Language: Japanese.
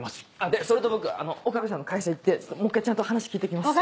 でそれと僕岡部さんの会社行ってもう一回ちゃんと話聞いて来ます。